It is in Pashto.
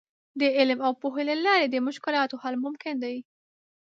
د علم او پوهې له لارې د مشکلاتو حل ممکن دی.